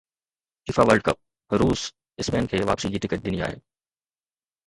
FIFA World Cup روس Spain کي واپسي جي ٽڪيٽ ڏني آهي